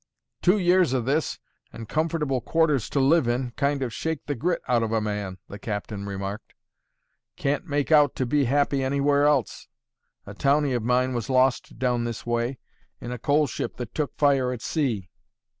"Two years of this, and comfortable quarters to live in, kind of shake the grit out of a man," the captain remarked; "can't make out to be happy anywhere else. A townie of mine was lost down this way, in a coalship that took fire at sea.